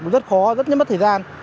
rất khó rất mất thời gian